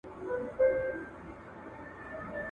کښتۍ هم ورڅخه ولاړه پر خپل لوري !.